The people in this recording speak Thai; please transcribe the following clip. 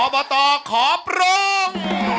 อ๋อมาต่อขอบพลง